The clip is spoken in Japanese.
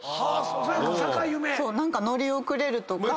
何か乗り遅れるとか。